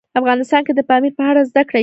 افغانستان کې د پامیر په اړه زده کړه کېږي.